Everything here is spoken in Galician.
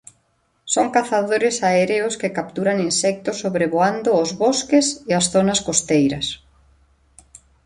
Son cazadores aéreos que capturan insectos sobrevoando os bosques e as zonas costeiras.